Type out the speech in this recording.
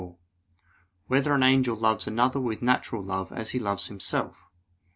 4] Whether an Angel Loves Another with Natural Love As He Loves Himself?